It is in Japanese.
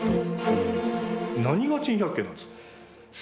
何が珍百景なんですか？